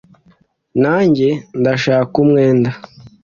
na njye ndashaka umwenda